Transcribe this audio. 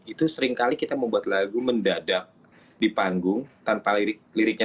itu seringkali kita membuat lagu mendadak di panggung tanpa liriknya